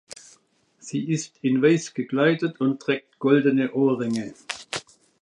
Sie ist in Weiß gekleidet und trägt goldene Ohrringe.